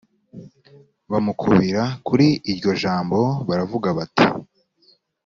bamukubira kuri iryo jambo baravuga bati